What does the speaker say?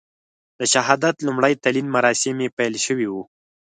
د شهادت لومړي تلین مراسم یې پیل شوي وو.